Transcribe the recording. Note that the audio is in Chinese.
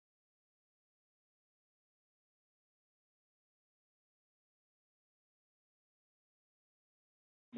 此剧为深津绘里初次担任主演的电视剧。